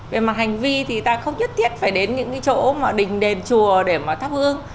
về mặt hành vi thì ta không nhất thiết phải đến những cái chỗ mà đình đền chùa để mà thắp hương